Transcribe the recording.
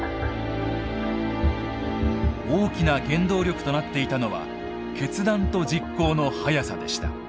大きな原動力となっていたのは決断と実行の速さでした。